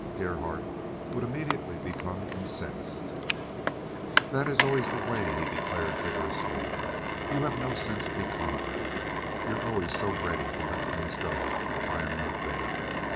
Gerhardt would immediately become incensed. "That is always the way," he declared vigorously. "You have no sense of economy. You are always so ready to let things go if I am not there.